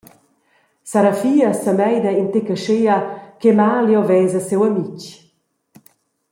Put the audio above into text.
Sarafia semeina in tec aschia ch’Emalio vesa siu amitg.